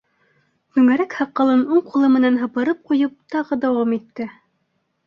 Түңәрәк һаҡалын уң ҡулы менән һыпырып ҡуйып, тағы дауам итте.